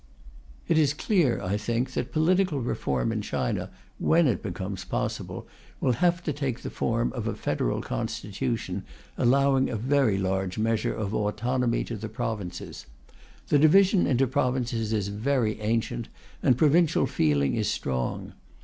It is clear, I think, that political reform in China, when it becomes possible, will have to take the form of a federal constitution, allowing a very large measure of autonomy to the provinces. The division into provinces is very ancient, and provincial feeling is strong.